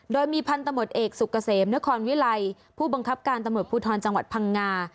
โดยมีพันธมตเอกสุกเกษมนครวิไลผู้บังคับการตำรวจภูทรจังหวัดพังงา